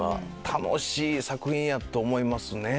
楽しい作品やと思いますね。